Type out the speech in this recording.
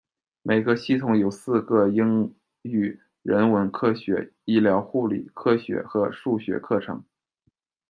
每个系统有四个英语，人文科学，医疗护理，科学和数学课程。